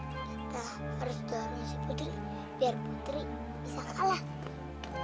kita kan gak sengaja